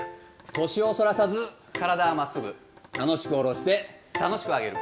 腰をそらさず、体は真っすぐ、楽しく下ろして、楽しく上げる。